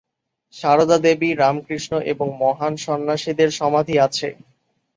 সারদা দেবী, রামকৃষ্ণ এবং মহান সন্ন্যাসীদের সমাধি আছে।